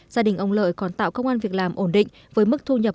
gia đình ông lợi còn tạo công an việc làm ổn định với mức thu nhập